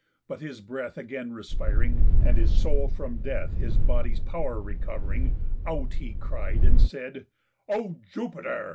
But his breath Again respiring, and his soul from death His body's pow'r recov'ring, out he cried, And said: "O Jupiter!